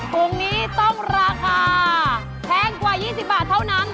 ถุงนี้ต้องราคาแพงกว่า๒๐บาทเท่านั้น